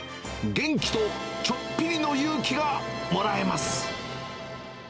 元気とちょっぴりの勇気がもらえます。